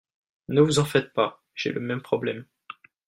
Ne vous en faites pas. J'ai le même problème.